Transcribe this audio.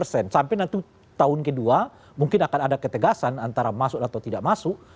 sampai nanti tahun kedua mungkin akan ada ketegasan antara masuk atau tidak masuk